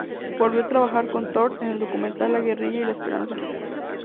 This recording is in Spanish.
Volvió a trabajar con Tort en el documental "La guerrilla y la esperanza.